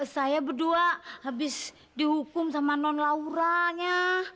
saya berdua habis dihukum sama non laura nya